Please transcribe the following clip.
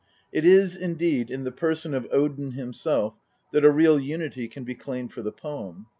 It is, indeed, in the person of Odin himself that a real unity can be claimed for the poern.